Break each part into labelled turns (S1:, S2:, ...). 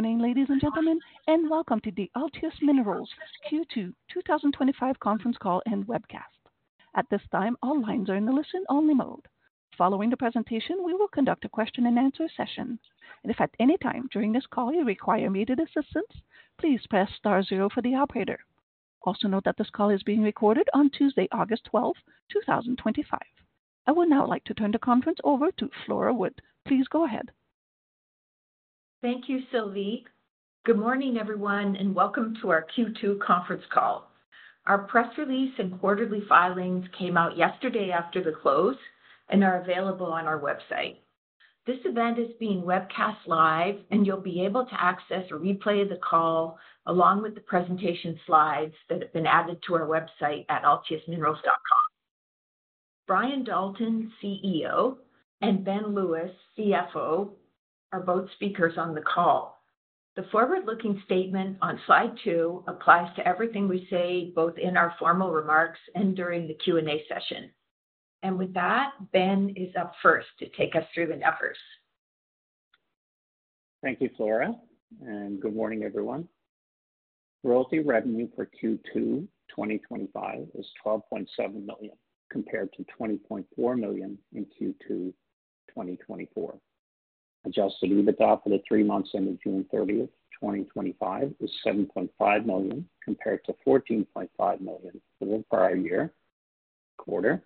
S1: Morning, ladies and gentlemen, and welcome to the Altius Minerals Q2 2025 Conference Call and Webcast. At this time, all lines are in the listen-only mode. Following the presentation, we will conduct a question-and-answer session. If at any time during this call you require immediate assistance, please press star zero for the operator. Also note that this call is being recorded on Tuesday, August 12, 2025. I would now like to turn the conference over to Flora Wood. Please go ahead.
S2: Thank you, Sylvie. Good morning, everyone, and welcome to our Q2 conference call. Our press release and quarterly filings came out yesterday after the close and are available on our website. This event is being webcast live, and you'll be able to access a replay of the call along with the presentation slides that have been added to our website at altiusminerals.com. Brian Dalton, CEO, and Ben Lewis, CFO, are both speakers on the call. The forward-looking statement on slide two applies to everything we say, both in our formal remarks and during the Q&A session. With that, Ben is up first to take us through the numbers.
S3: Thank you, Flora, and good morning, everyone. Royalty revenue for Q2 2025 is 12.7 million, compared to 20.4 million in Q2 2024. Adjusted EBITDA for the three months ending June 30th, 2025, is 7.5 million, compared to 14.5 million for the prior year quarter.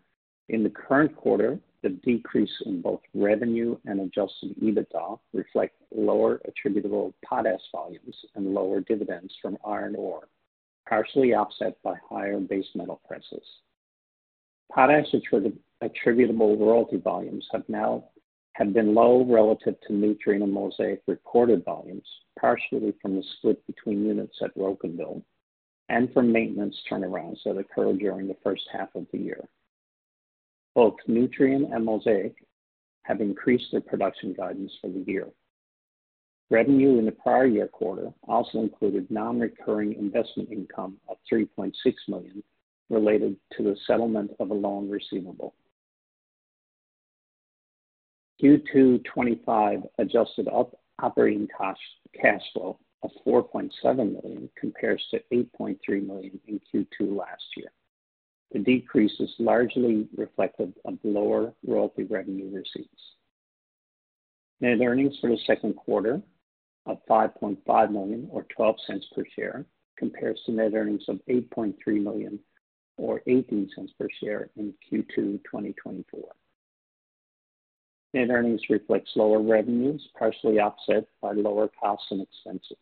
S3: In the current quarter, the decrease in both revenue and adjusted EBITDA reflect lower attributable potash volumes and lower dividends from iron ore, partially offset by higher base metal prices. Potash attributable royalty volumes have now been low relative to Nutrien and Mosaic recorded volumes, partially from the split between units at Brokenville and from maintenance turnarounds that occurred during the first half of the year. Both Nutrien and Mosaic have increased their production guidance for the year. Revenue in the prior year quarter also included non-recurring investment income of 3.6 million related to the settlement of a loan receivable. Q2 2025 adjusted operating cost cash flow of 4.7 million compares to 8.3 million in Q2 last year. The decrease is largely reflective of lower royalty revenue receipts. Net earnings for the second quarter of 5.5 million or 0.12 per share compares to net earnings of 8.3 million or 0.18 per share in Q2 2024. Net earnings reflect lower revenues, partially offset by lower costs and expenses,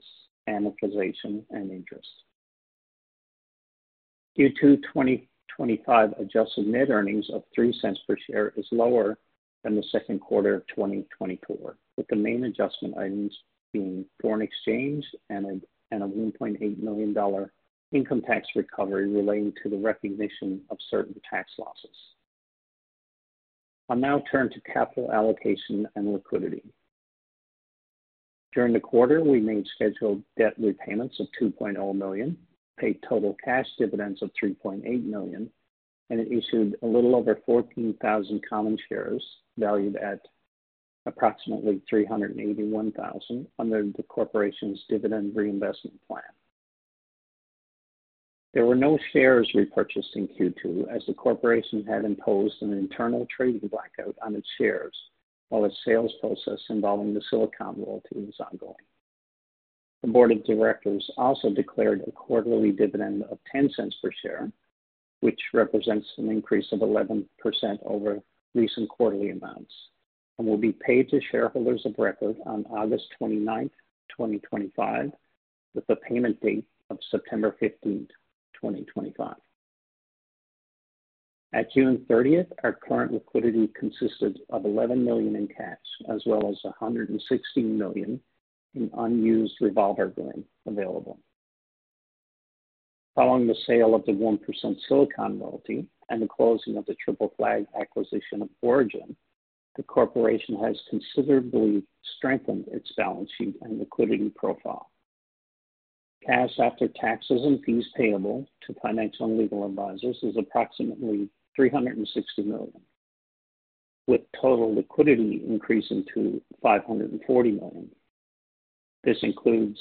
S3: amortization, and interest. Q2 2025 adjusted net earnings of 0.03 per share is lower than the second quarter of 2024, with the main adjustment items being foreign exchange and a 1.8 million dollar income tax recovery relating to the recognition of certain tax losses. I'll now turn to capital allocation and liquidity. During the quarter, we made scheduled debt repayments of 2.0 million, paid total cash dividends of 3.8 million, and issued a little over 14,000 common shares valued at approximately 381,000 under the corporation's dividend reinvestment plan. There were no share repurchases in Q2, as the corporation had imposed an internal trading blackout on its shares, while its sales process involving the Silicon royalty is ongoing. The board of directors also declared a quarterly dividend of 0.10 per share, which represents an increase of 11% over recent quarterly amounts, and will be paid to shareholders of record on August 29th, 2025, with a payment date of September 15th, 2025. At June 30th, our current liquidity consisted of 11 million in cash, as well as 160 million in unused revolver credit available. Following the sale of the 1% Silicon royalty and the closing of the Triple Flag acquisition of Orogen, the corporation has considerably strengthened its balance sheet and liquidity profile. Cash after taxes and fees payable to financial and legal advisors is approximately 360 million, with total liquidity increasing to 540 million. This includes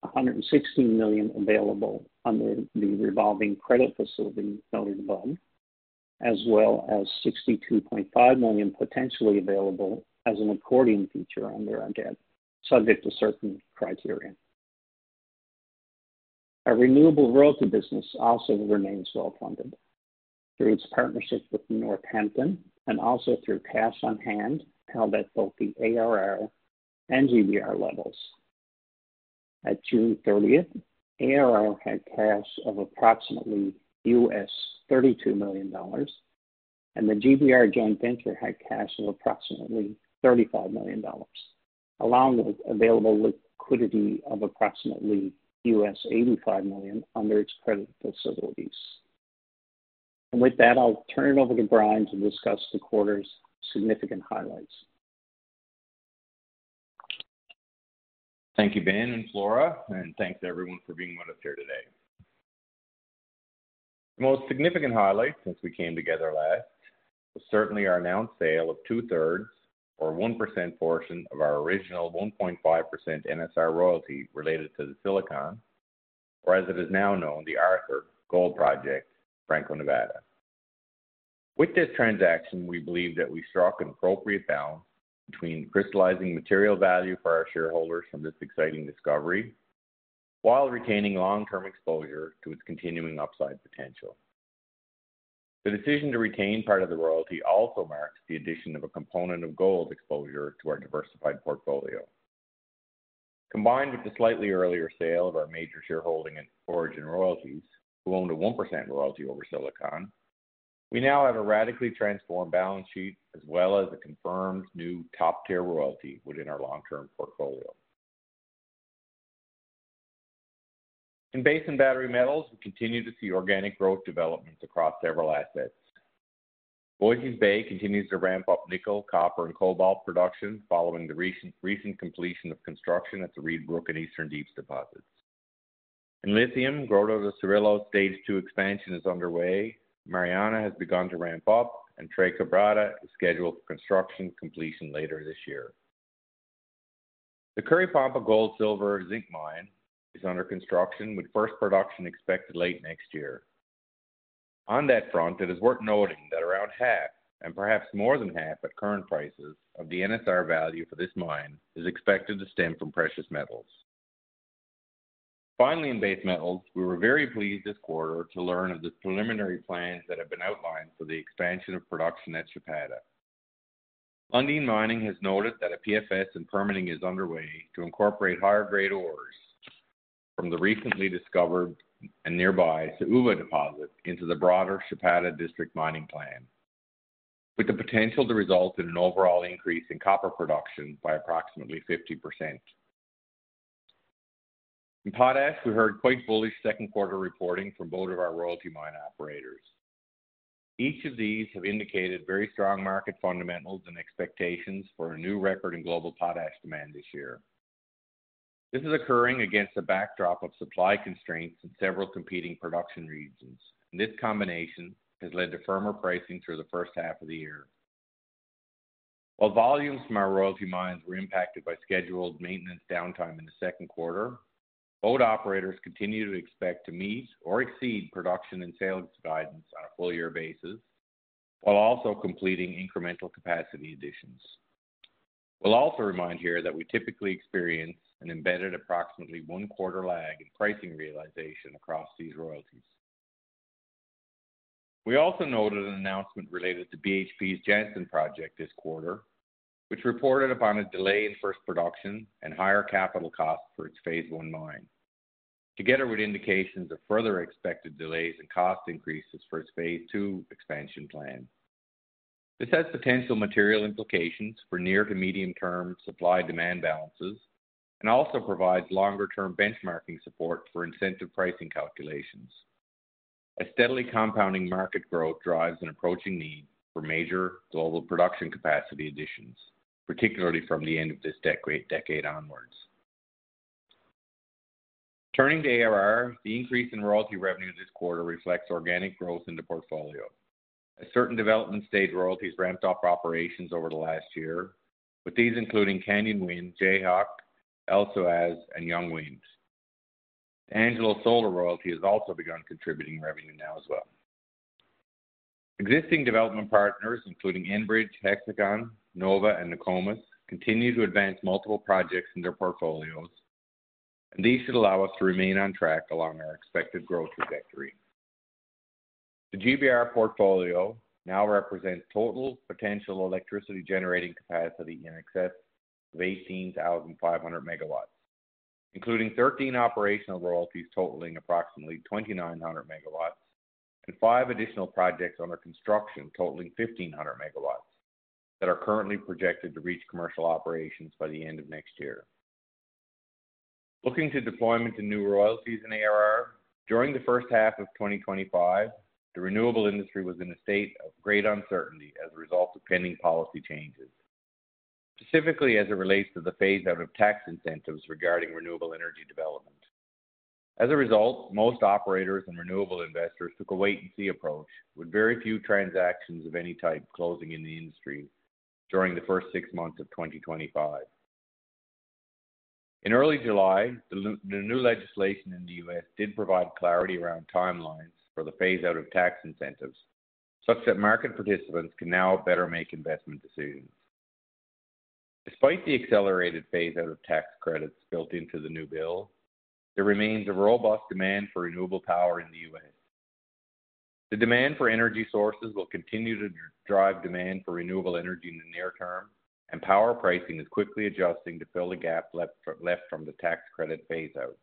S3: 116 million available under the revolving credit facility noted above, as well as 62.5 million potentially available as an accordion feature on their account, subject to certain criteria. Our renewable royalty business also remains well funded through its partnership with Northampton and also through cash on hand held at both the ARR and GBR joint venture levels. At June 30th, ARR had cash of approximately $32 million, and the GBR joint venture had cash of approximately $35 million, allowing the available liquidity of approximately $85 million under its credit facilities. I'll turn it over to Brian to discuss the quarter's significant highlights.
S4: Thank you, Ben and Flora, and thanks everyone for being with us here today. The most significant highlight since we came together last was certainly our announced sale of 2/3 or 1% portion of our original 1.5% NSR royalty related to the Silicon, or as it is now known, the Arthur Gold Project, Franco-Nevada. With this transaction, we believe that we struck an appropriate balance between crystallizing material value for our shareholders from this exciting discovery, while retaining long-term exposure to its continuing upside potential. The decision to retain part of the royalty also marks the addition of a component of gold exposure to our diversified portfolio. Combined with the slightly earlier sale of our major shareholding in Orogen Royalties, who owned a 1% royalty over Silicon, we now have a radically transformed balance sheet, as well as a confirmed new top-tier royalty within our long-term portfolio. In base and battery metals, we continue to see organic growth developments across several assets. Voisey’s Bay continues to ramp up nickel, copper, and cobalt production following the recent completion of construction at the Reid Brook and Eastern Deeps deposits. In lithium, Grota do Cirilo stage two expansion is underway. Mariana has begun to ramp up, and Tres Quebradas is scheduled for construction completion later this year. The Curry Pampa Gold-Silver-Zinc Mine is under construction, with first production expected late next year. On that front, it is worth noting that around half, and perhaps more than half at current prices, of the NSR value for this mine is expected to stem from precious metals. Finally, in base metals, we were very pleased this quarter to learn of the preliminary plans that have been outlined for the expansion of production at Chapada. Lundin Mining has noted that a PFS and permitting is underway to incorporate higher grade ores from the recently discovered and nearby Sucupira deposit into the broader Chapada District mining plan, with the potential to result in an overall increase in copper production by approximately 50%. In potash, we heard quite bullish second quarter reporting from both of our royalty mine operators. Each of these have indicated very strong market fundamentals and expectations for a new record in global potash demand this year. This is occurring against a backdrop of supply constraints in several competing production regions, and this combination has led to firmer pricing through the first half of the year. While volumes from our royalty mines were impacted by scheduled maintenance downtime in the second quarter, both operators continue to expect to meet or exceed production and sales guidance on a full-year basis, while also completing incremental capacity additions. We'll also remind here that we typically experience an embedded approximately one-quarter lag in pricing realization across these royalties. We also noted an announcement related to BHP's Jansen project this quarter, which reported upon a delay in first production and higher capital costs for its phase one mine, together with indications of further expected delays and cost increases for its phase two expansion plan. This has potential material implications for near to medium-term supply-demand balances, and also provides longer-term benchmarking support for incentive pricing calculations. A steadily compounding market growth drives an approaching need for major global production capacity additions, particularly from the end of this decade onwards. Turning to ARR, the increase in royalty revenue this quarter reflects organic growth in the portfolio. Certain development stage royalties ramped up operations over the last year, with these including Canyon Wind, Jayhawk, LSOAS, and Young Winds. Angelo Solar Royalty has also begun contributing revenue now as well. Existing development partners, including Enbridge, Hexagon, Nova, and Nokomis, continue to advance multiple projects in their portfolios, and these should allow us to remain on track along our expected growth trajectory. The GBR portfolio now represents total potential electricity generating capacity in excess of 18,500 MW, including 13 operational royalties totaling approximately 2,900 MW, and five additional projects under construction totaling 1,500 MW that are currently projected to reach commercial operations by the end of next year. Looking to deployment and new royalties in ARR, during the first half of 2025, the renewable industry was in a state of great uncertainty as a result of pending policy changes, specifically as it relates to the phase out of tax incentives regarding renewable energy development. As a result, most operators and renewable investors took a wait-and-see approach, with very few transactions of any type closing in the industry during the first six months of 2025. In early July, the new legislation in the U.S. did provide clarity around timelines for the phase out of tax incentives, such that market participants can now better make investment decisions. Despite the accelerated phase out of tax credits built into the new bill, there remains a robust demand for renewable power in the U.S. The demand for energy sources will continue to drive demand for renewable energy in the near term, and power pricing is quickly adjusting to fill the gap left from the tax credit phase out.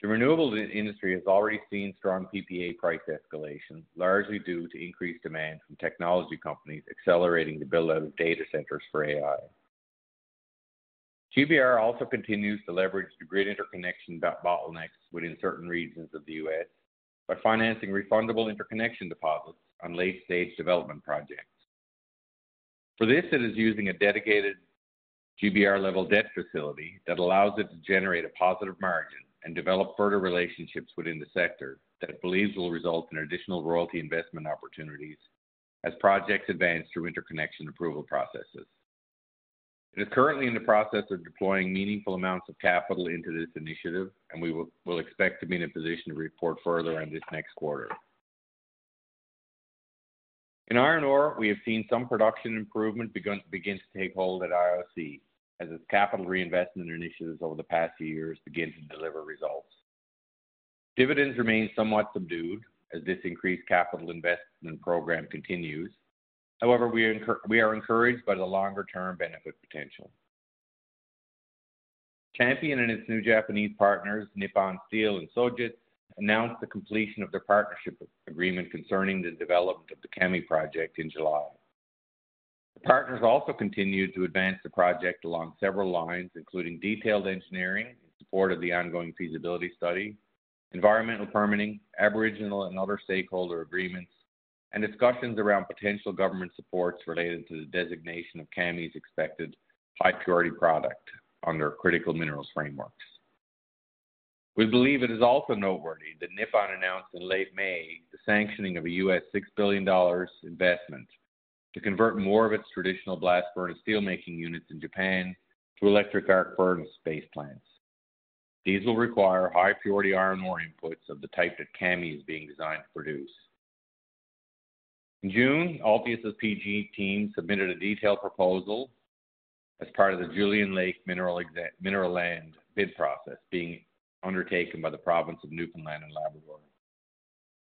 S4: The renewable industry has already seen strong PPA price escalation, largely due to increased demand from technology companies accelerating the build out of data centers for AI. GBR also continues to leverage the grid interconnection bottlenecks within certain regions of the U.S. by financing refundable interconnection deposits on late-stage development projects. For this, it is using a dedicated GBR-level debt facility that allows it to generate a positive margin and develop further relationships within the sector that it believes will result in additional royalty investment opportunities as projects advance through interconnection approval processes. It is currently in the process of deploying meaningful amounts of capital into this initiative, and we will expect to be in a position to report further on this next quarter. In iron ore, we have seen some production improvement begin to take hold at IOC, as its capital reinvestment initiatives over the past few years begin to deliver results. Dividends remain somewhat subdued as this increased capital investment program continues. However, we are encouraged by the longer-term benefit potential. Champion and its new Japanese partners, Nippon Steel and Sojitz, announced the completion of their partnership agreement concerning the development of the Kami Project in July. The partners also continue to advance the project along several lines, including detailed engineering in support of the ongoing feasibility study, environmental permitting, Aboriginal and other stakeholder agreements, and discussions around potential government supports related to the designation of Kami's expected high-priority product under critical minerals frameworks. We believe it is also noteworthy that Nippon announced in late May the sanctioning of a $6 billion investment to convert more of its traditional blast furnace steelmaking units in Japan to electric arc furnace baseplans. These will require high-priority iron ore inputs of the type that Kami is being designed to produce. In June, Altius Minerals' PG team submitted a detailed proposal as part of the Julienne Lake Mineral Land bid process being undertaken by the province of Newfoundland and Labrador.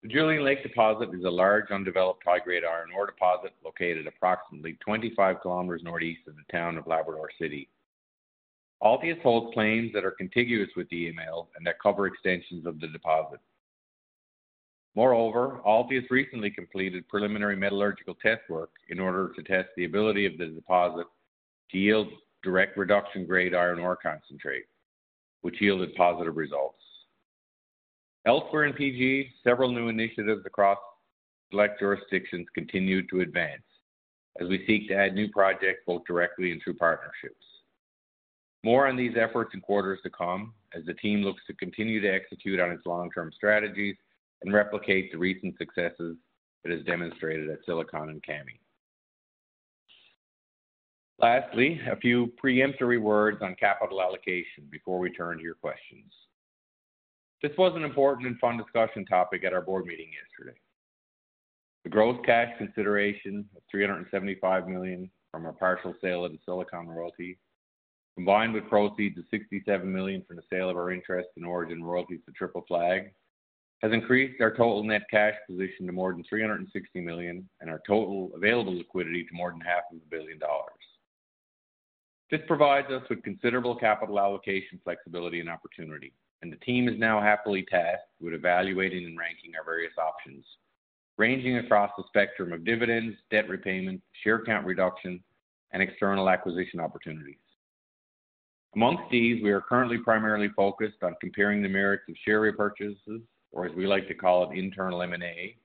S4: The Julienne Lake deposit is a large undeveloped high-grade iron ore deposit located approximately 25 km northeast of the town of Labrador City. Altius Minerals holds claims that are contiguous with DML and that cover extensions of the deposit. Moreover, Altius Minerals recently completed preliminary metallurgical test work in order to test the ability of the deposit to yield direct reduction grade iron-ore concentrate, which yielded positive results. Elsewhere in PG, several new initiatives across select jurisdictions continue to advance as we seek to add new projects both directly and through partnerships. More on these efforts in quarters to come as the team looks to continue to execute on its long-term strategies and replicate the recent successes it has demonstrated at Silicon and Kami. Lastly, a few preemptory words on capital allocation before we turn to your questions. This was an important and fun discussion topic at our board meeting yesterday. The gross cash consideration of 375 million from our partial sale of the Silicon royalty, combined with proceeds of 67 million from the sale of our interest in Orogen Royalties to Triple Flag, has increased our total net cash position to more than 360 million and our total available liquidity to more than 500 million dollars. This provides us with considerable capital allocation flexibility and opportunity, and the team is now happily tasked with evaluating and ranking our various options, ranging across the spectrum of dividends, debt repayment, share count reduction, and external acquisition opportunities. Amongst these, we are currently primarily focused on comparing the merits of share repurchases, or as we like to call it, internal M&A,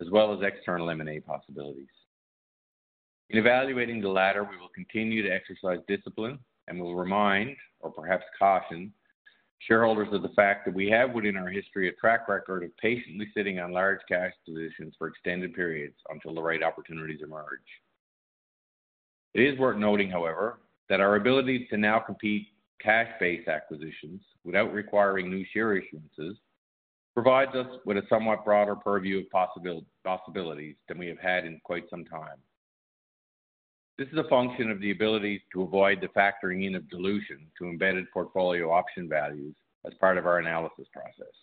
S4: as well as external M&A possibilities. In evaluating the latter, we will continue to exercise discipline and will remind, or perhaps caution, shareholders of the fact that we have within our history a track record of patiently sitting on large cash positions for extended periods until the right opportunities emerge. It is worth noting, however, that our ability to now complete cash-based acquisitions without requiring new share issuances provides us with a somewhat broader purview of possibilities than we have had in quite some time. This is a function of the ability to avoid the factoring in of dilution to embedded portfolio option values as part of our analysis process.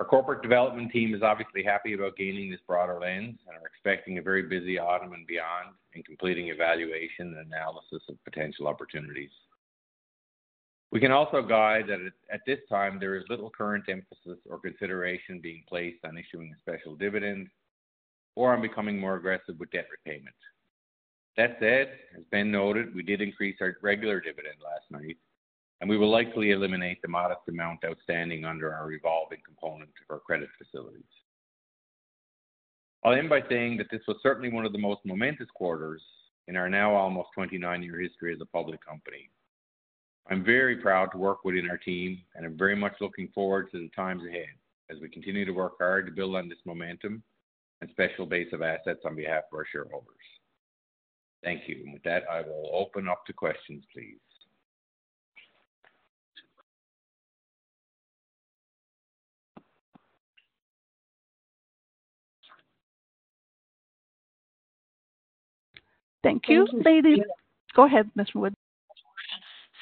S4: Our Corporate Development team is obviously happy about gaining this broader lens and are expecting a very busy autumn and beyond in completing evaluation and analysis of potential opportunities. We can also guide that at this time there is little current emphasis or consideration being placed on issuing a special dividend or on becoming more aggressive with debt repayment. That said, as Ben noted, we did increase our regular dividend last night, and we will likely eliminate the modest amount outstanding under our revolving component of our credit facilities. I'll end by saying that this was certainly one of the most momentous quarters in our now almost 29-year history as a public company. I'm very proud to work within our team, and I'm very much looking forward to the times ahead as we continue to work hard to build on this momentum and special base of assets on behalf of our shareholders. Thank you. With that, I will open up to questions, please.
S1: Thank you, ladies. Go ahead, Ms. Wood.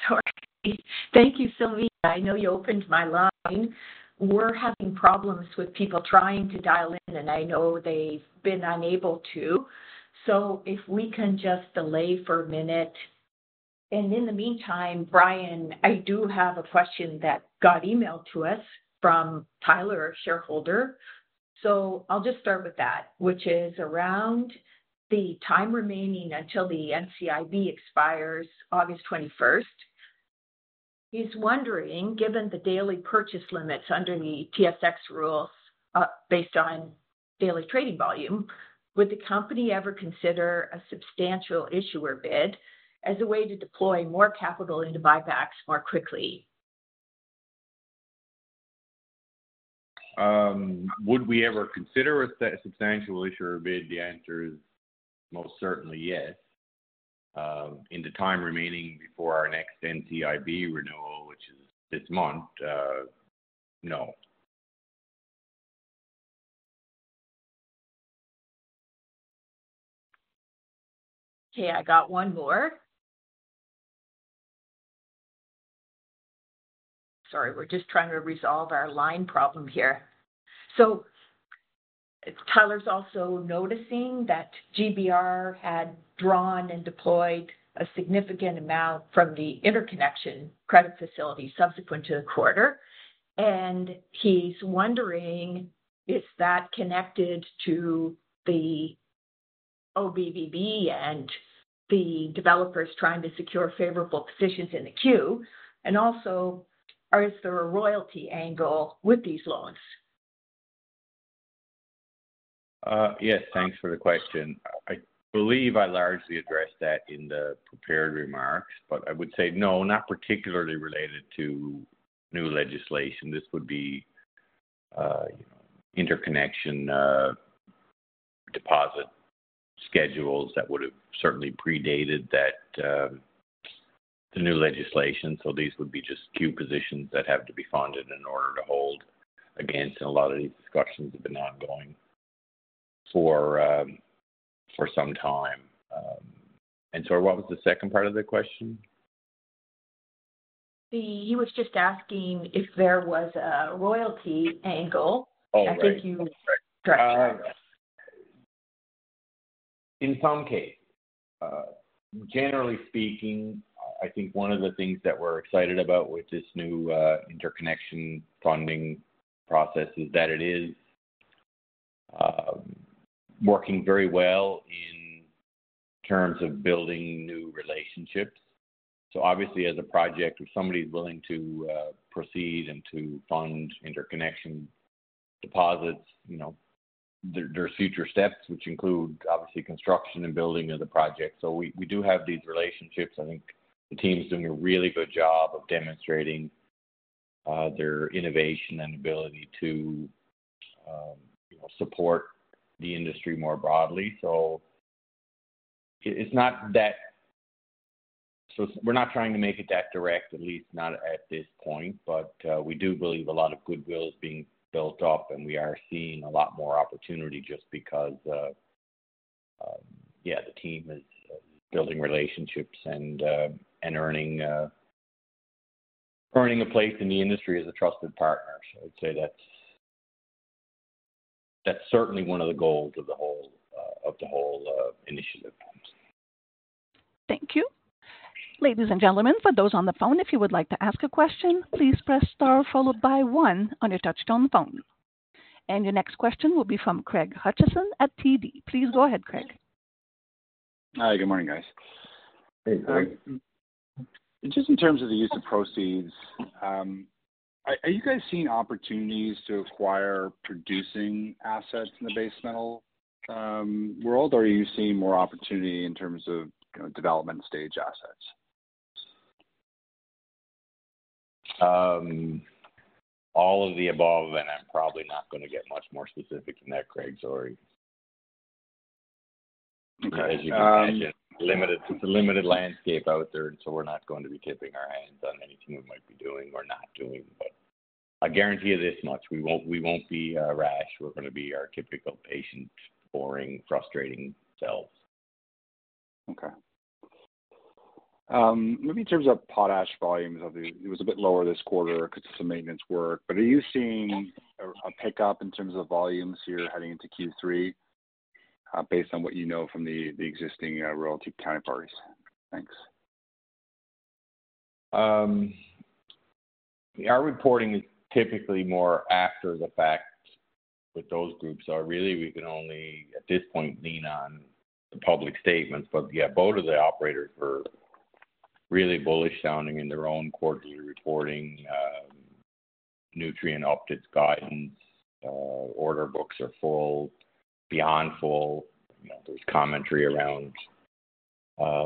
S2: Sorry. Thank you, Sylvie. I know you opened my line. We're having problems with people trying to dial in, and I know they've been unable to. If we can just delay for a minute. In the meantime, Brian, I do have a question that got emailed to us from Tyler, our shareholder. I'll just start with that, which is around the time remaining until the NCIB expires August 21st. He's wondering, given the daily purchase limits underneath TSX rules based on daily trading volume, would the company ever consider a substantial issuer bid as a way to deploy more capital into buybacks more quickly?
S4: Would we ever consider a substantial issuer bid? The answer is most certainly yes. In the time remaining before our next NCIB renewal, which is this month, no.
S2: Okay, I got one more. Sorry, we're just trying to resolve our line problem here. Tyler's also noticing that GBR had drawn and deployed a significant amount from the interconnection credit facility subsequent to the quarter. He's wondering, is that connected to the OBBB and the developers trying to secure favorable positions in the queue? Also, is there a royalty angle with these loans?
S4: Yes, thanks for the question. I believe I largely addressed that in the prepared remarks, but I would say no, not particularly related to new legislation. This would be interconnection-deposit schedules that would have certainly predated the new legislation. These would be just queue positions that have to be funded in order to hold against. A lot of these discussions have been ongoing for some time. Sorry, what was the second part of the question?
S2: He was just asking if there was a royalty angle.
S4: Oh, yes.
S2: are there other considerations? Thanks.
S4: In some cases, generally speaking, I think one of the things that we're excited about with this new interconnection funding process is that it is working very well in terms of building new relationships. Obviously, as a project, if somebody's willing to proceed and to fund interconnection deposits, you know there's future steps, which include construction and building of the project. We do have these relationships. I think the team's doing a really good job of demonstrating their innovation and ability to support the industry more broadly. It's not that we're trying to make it that direct, at least not at this point, but we do believe a lot of goodwill is being built up, and we are seeing a lot more opportunity just because the team is building relationships and earning a place in the industry as a trusted partner. I'd say that's certainly one of the goals of the whole initiative.
S1: Thank you. Ladies and gentlemen, for those on the phone, if you would like to ask a question, please press star followed by one on your touchstone phone. Your next question will be from Craig Hutchison at TD. Please go ahead, Craig.
S5: Hi, good morning, guys.
S4: Hey, Craig.
S5: Just in terms of the use of proceeds, are you guys seeing opportunities to acquire producing assets in the base metals world, or are you seeing more opportunity in terms of, you know, development stage assets?
S4: All of the above, and I'm probably not going to get much more specific than that, Craig. Sorry.
S5: Okay.
S4: As you can see, it's a limited landscape out there, and we're not going to be tipping our hands on anything we might be doing or not doing. I guarantee you this much, we won't be rash. We're going to be our typical patient, boring, frustrating selves.
S5: Okay. Maybe in terms of potash volumes, it was a bit lower this quarter because of some maintenance work, but are you seeing a pickup in terms of volumes here heading into Q3 based on what you know from the existing royalty counterparties? Thanks.
S4: Our reporting is typically more after the fact, but those groups are really, we can only at this point lean on the public statements. Both of the operators were really bullish sounding in their own quarterly reporting. Nutrien updates guidance, order books are full, beyond full. There's commentary around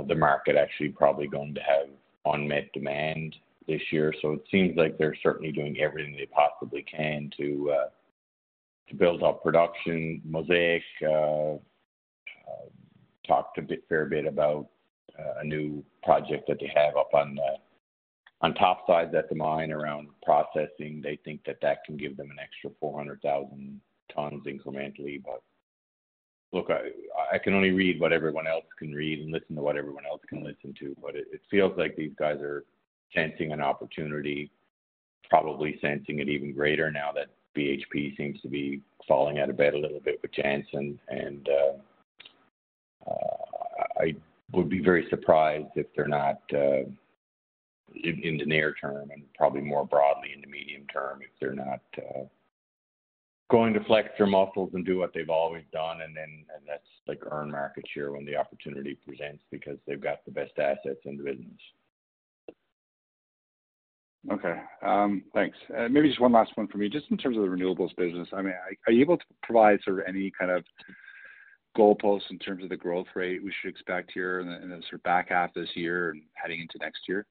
S4: the market actually probably going to have unmet demand this year. It seems like they're certainly doing everything they possibly can to build up production. Mosaic talked a fair bit about a new project that they have up on the top side at the mine around processing. They think that can give them an extra 400,000 tons incrementally. I can only read what everyone else can read and listen to what everyone else can listen to. It feels like these guys are sensing an opportunity, probably sensing it even greater now that BHP seems to be falling out of bed a little bit with Jansen. I would be very surprised if they're not in the near term and probably more broadly in the medium term if they're not going to flex their muscles and do what they've always done. That's like earn market share when the opportunity presents because they've got the best assets in the business.
S5: Okay. Thanks. Maybe just one last one from you. Just in terms of the renewables business, are you able to provide sort of any kind of goalposts in terms of the growth rate we should expect here in the sort of back half this year and heading into next year?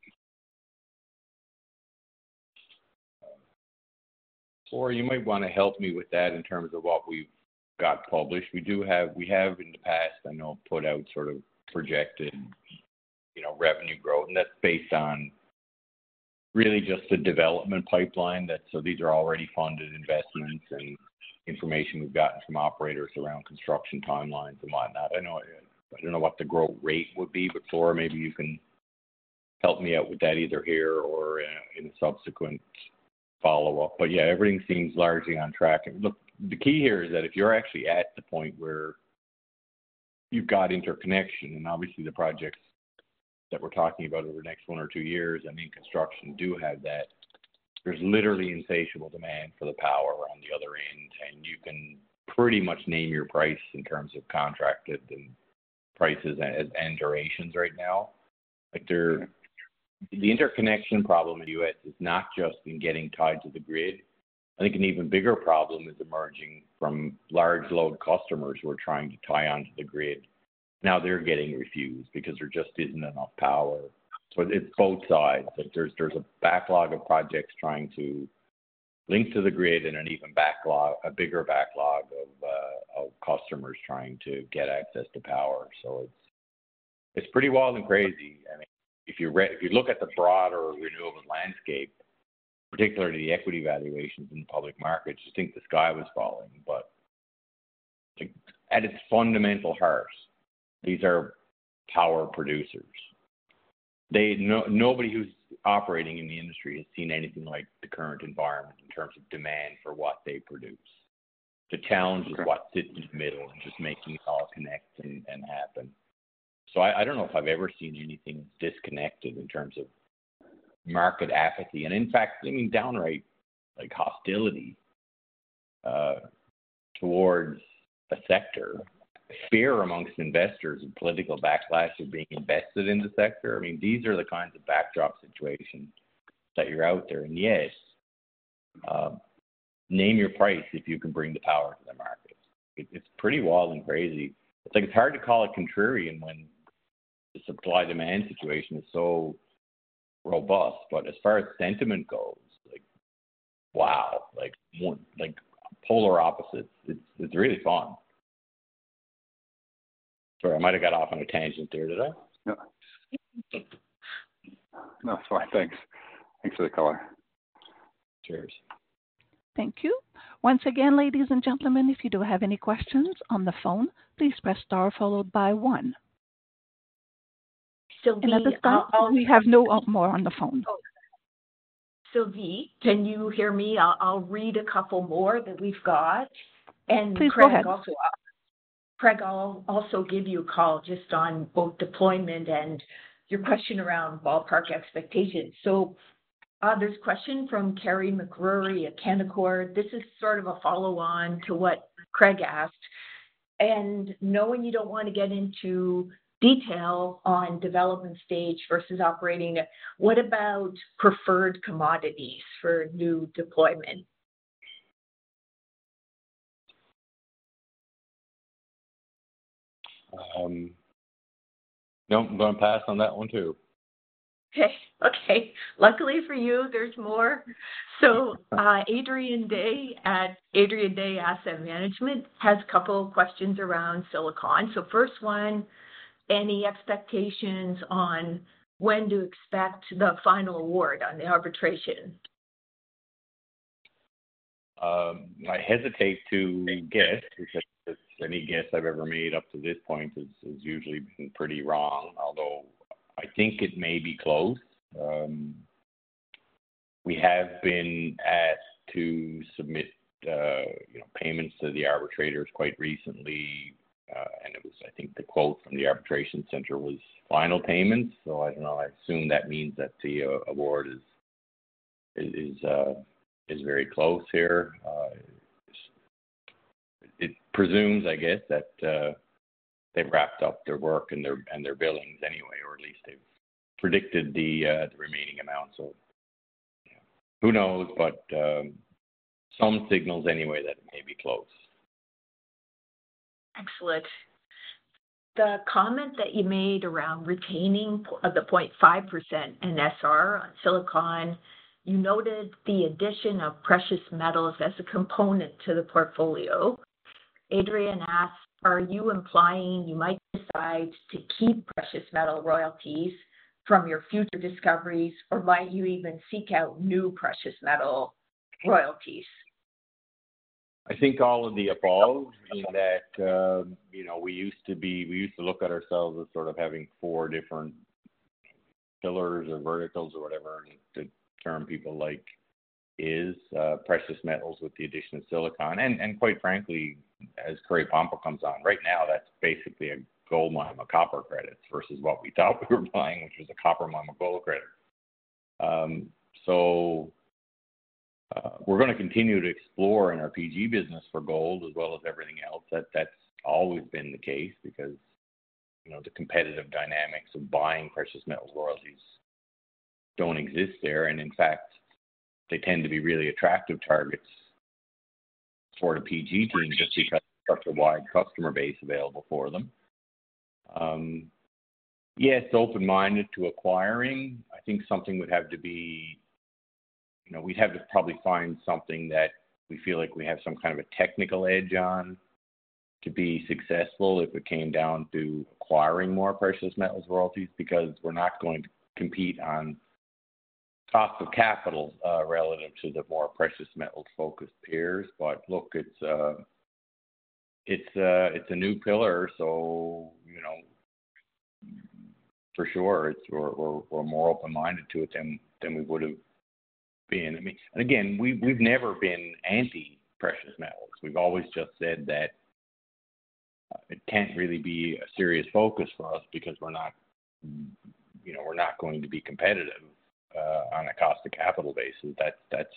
S4: You might want to help me with that in terms of what we've got published. We do have, we have in the past, I know, put out sort of projected revenue growth. That's based on really just the development pipeline. These are already funded investments and information we've gotten from operators around construction timelines and whatnot. I know I don't know what the growth rate would be, but Flora, maybe you can help me out with that either here or in a subsequent follow-up. Everything seems largely on track. The key here is that if you're actually at the point where you've got interconnection, and obviously the projects that we're talking about over the next one or two years and in construction do have that, there's literally insatiable demand for the power around the other end. You can pretty much name your price in terms of contracted prices and durations right now. The interconnection problem in the U.S. is not just in getting tied to the grid. I think an even bigger problem is emerging from large load customers who are trying to tie onto the grid. Now they're getting refused because there just isn't enough power. It's both sides. There's a backlog of projects trying to link to the grid and an even bigger backlog of customers trying to get access to power. It's pretty wild and crazy. If you look at the broader renewable landscape, particularly the equity valuations in the public markets, you think the sky was falling. At its fundamental heart, these are power producers. Nobody who's operating in the industry has seen anything like the current environment in terms of demand for what they produce. The challenge is what sits in the middle and just making it all connect and happen. I don't know if I've ever seen anything disconnected in terms of market apathy. In fact, I mean, downright like hostility towards a sector, a fear amongst investors and political backlash of being invested in the sector. These are the kinds of backdrop situations that you're out there. Yes, name your price if you can bring the power to the market. It's pretty wild and crazy. It's hard to call it contrarian when the supply-demand situation is so robust. As far as sentiment goes, like wow, like more like polar opposites. It's really fun. Sorry, I might have got off on a tangent there. Did I?
S5: No, that's fine. Thanks. Thanks for the color.
S4: Cheers.
S1: Thank you. Once again, ladies and gentlemen, if you do have any questions on the phone, please press star followed by one. At this time, we have no more on the phone.
S2: Sylvie, can you hear me? I'll read a couple more that we've got. Craig, I'll also give you a call just on both deployment and your question around ballpark expectations. There's a question from Carey MacRury at Canaccord Genuity. This is sort of a follow-on to what Craig asked. Knowing you don't want to get into detail on development stage versus operating, what about preferred commodities for new deployment?
S4: No, I'm going past on that one too.
S2: Okay. Okay. Luckily for you, there's more. Adrian Day at Adrian Day Asset Management has a couple of questions around Silicon. First one, any expectations on when to expect the final award on the arbitration?
S4: I hesitate to guess because any guess I've ever made up to this point has usually been pretty wrong, although I think it may be close. We have been asked to submit payments to the arbitrators quite recently. It was, I think, the quote from the arbitration center was final payments. I don't know. I assume that means that the award is very close here. It presumes, I guess, that they've wrapped up their work and their billings anyway, or at least they've predicted the remaining amount. Who knows? Some signals anyway that it may be close.
S2: Excellent. The comment that you made around retaining the 0.5% NSR on Silicon, you noted the addition of precious metals as a component to the portfolio. Adrian asked, "Are you implying you might decide to keep precious metal royalties from your future discoveries, or might you even seek out new precious metal royalties?
S4: I think all of the above, in that, you know, we used to be, we used to look at ourselves as sort of having four different pillars or verticals or whatever, and the term people like is precious metals with the addition of Silicon. Quite frankly, as Curipamba comes on right now, that's basically a gold mine of copper credits versus what we thought we were buying, which was a copper mine of gold credit. We're going to continue to explore in our PG business for gold as well as everything else. That's always been the case because, you know, the competitive dynamics of buying precious metal royalties don't exist there. In fact, they tend to be really attractive targets for the PG team just because of such a wide customer base available for them. Yes, open-minded to acquiring. I think something would have to be, you know, we'd have to probably find something that we feel like we have some kind of a technical edge on to be successful if it came down to acquiring more precious metals royalties because we're not going to compete on cost of capital relative to the more precious metals-focused peers. It's a new pillar. For sure, we're more open-minded to it than we would have been. I mean, we've never been anti-precious metals. We've always just said that it can't really be a serious focus for us because we're not, you know, we're not going to be competitive on a cost-to-capital basis. That's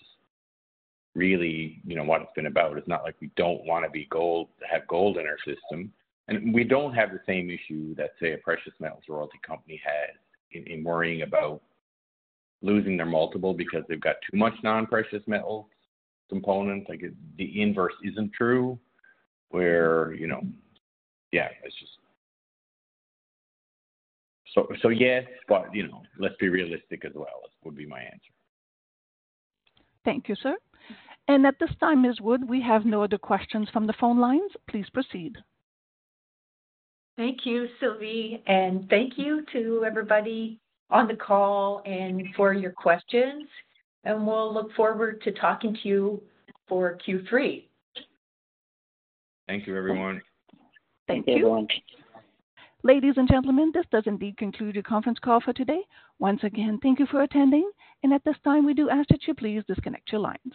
S4: really what it's been about. It's not like we don't want to have gold in our system. We don't have the same issue that, say, a precious metals royalty company had in worrying about losing their multiple because they've got too much non-precious metals components. The inverse isn't true, where, you know, yeah, it's just... Yes, but let's be realistic as well would be my answer.
S1: Thank you, sir. At this time, Ms. Wood, we have no other questions from the phone lines. Please proceed.
S2: Thank you, Sylvie, and thank you to everybody on the call and for your questions. We'll look forward to talking to you for Q3.
S4: Thank you, everyone.
S3: Thank you, everyone.
S1: Ladies and gentlemen, this does indeed conclude the conference call for today. Once again, thank you for attending. At this time, we do ask that you please disconnect your lines.